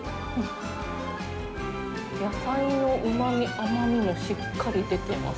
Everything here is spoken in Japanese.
野菜のうまみ、甘みがしっかり出てます。